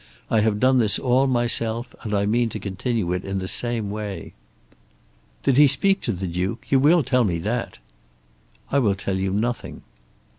I have done this all myself, and I mean to continue it in the same way." "Did he speak to the Duke? You will tell me that." "I will tell you nothing."